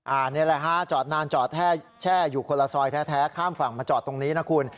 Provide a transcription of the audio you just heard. อันนี้แหละฮะจอดนานจอดแช่อยู่คนละซอยแท้ข้ามฝั่งมาจอดตรงนี้นะคุณ